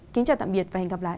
kính chào tạm biệt và hẹn gặp lại